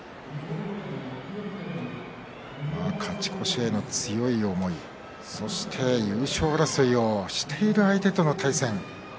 勝ち越しへの強い思いそして優勝争いをしている相手との対戦です。